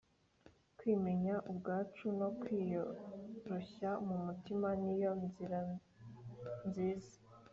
Kwimenya ubwacu no kwiyoroshya mu mutima ni yo nzira nziza